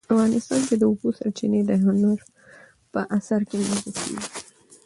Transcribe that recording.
افغانستان کې د اوبو سرچینې د هنر په اثار کې منعکس کېږي.